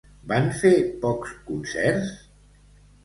Van fer pocs concerts?